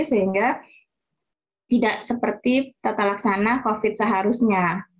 sehingga tidak seperti tata laksana covid seharusnya